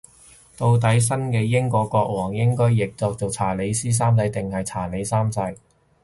到底新嘅英國國王應該譯做查理斯三世定係查理三世